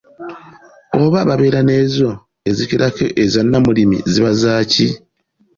Oba ababeera n'ezo ezikirako eza Nnamulimi ziba zaaki ?